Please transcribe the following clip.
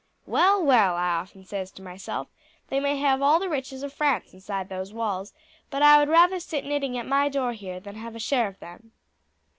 'Well, well,' I often says to myself, 'they may have all the riches of France inside those walls, but I would rather sit knitting at my door here than have a share of them.'"